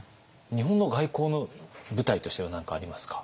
日本の外交の舞台としては何かありますか？